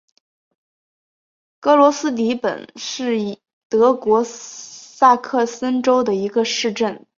格罗斯迪本是德国萨克森州的一个市镇。